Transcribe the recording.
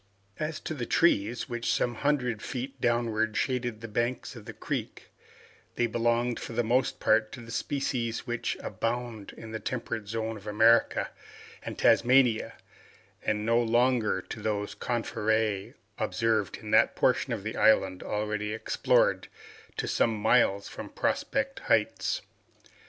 As to the trees, which some hundred feet downwards shaded the banks of the creek, they belonged, for the most part, to the species which abound in the temperate zone of America and Tasmania, and no longer to those coniferae observed in that portion of the island already explored to some miles from Prospect Heights.